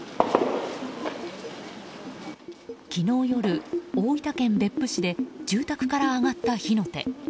昨日夜、大分県別府市で住宅から上がった火の手。